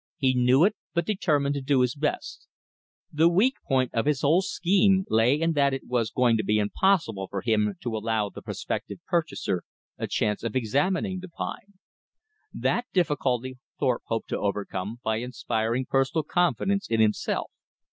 He knew it, but determined to do his best. The weak point of his whole scheme lay in that it was going to be impossible for him to allow the prospective purchaser a chance of examining the pine. That difficulty Thorpe hoped to overcome by inspiring personal confidence in himself.